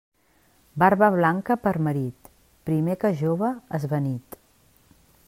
Barba blanca per marit, primer que jove esvanit.